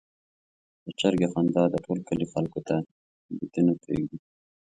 د چرګې خندا د ټول کلي خلکو ته بېده نه پرېږدي.